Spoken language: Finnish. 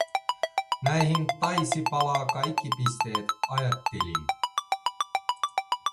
Näihin taisi palaa kaikki pisteet, ajattelin.